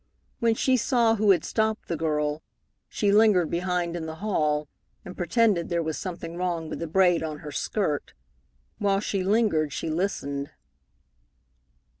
When she saw who had stopped the girl, she lingered behind in the hall and pretended there was something wrong with the braid on her skirt. While she lingered she listened.